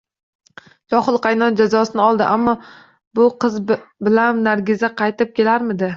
Johil qaynona jazosini oldi, ammo bu bilan Nargiza qaytib kelarmidi